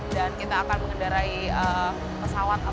dan kita akan mengendarai pesawat ktr